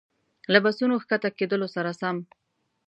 له بسونو ښکته کېدلو سره سم.